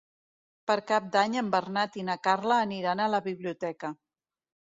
Per Cap d'Any en Bernat i na Carla aniran a la biblioteca.